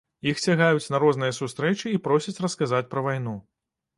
Іх цягаюць на розныя сустрэчы і просяць расказаць пра вайну.